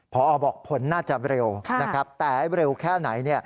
พอบอกผลน่าจะเร็วนะครับแต่เร็วแค่ไหน